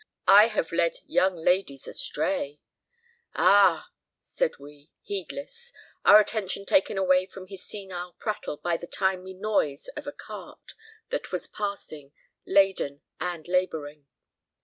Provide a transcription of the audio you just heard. "I have led young ladies astray!" "Ah!" said we, heedless, our attention taken away from his senile prattle by the timely noise of a cart that was passing, laden and laboring.